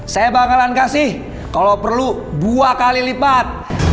saya bakalan kasih kalau perlu dua kali lipat